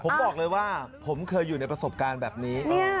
ผมบอกเลยว่าผมเคยอยู่ในประสบการณ์แบบนี้